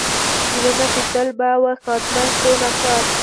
زړونه چې تل به و ښادمن شو ناښاد.